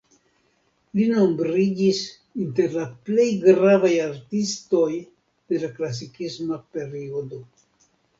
Li nombriĝis inter la plej gravaj artistoj de la klasikisma periodo.